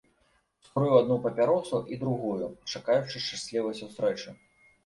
Скурыў адну папяросу і другую, чакаючы шчаслівай сустрэчы.